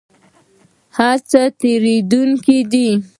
هر څه تیریدونکي دي